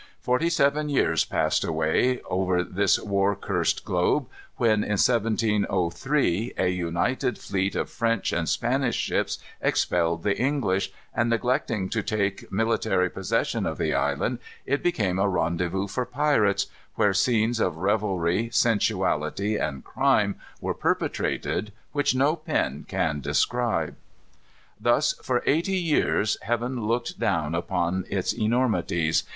Forty seven years passed away, over this war cursed globe, when, in 1703, a united fleet of French and Spanish ships expelled the English, and, neglecting to take military possession of the island, it became a rendezvous for pirates, where scenes of revelry, sensuality, and crime were perpetrated which no pen can describe. Thus for eighty years Heaven looked down upon its enormities.